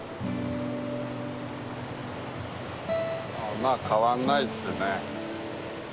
まあ変わんないですよね。